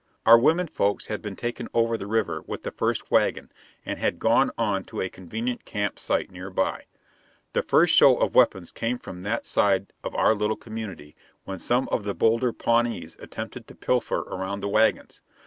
Our women folks had been taken over the river with the first wagon and had gone on to a convenient camp site nearby. The first show of weapons came from that side of our little community, when some of the bolder Pawnees attempted to pilfer around the wagons.